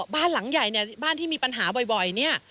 บ้านหลังใหญ่เนี่ยบ้านที่มีปัญหาบ่อยเนี่ย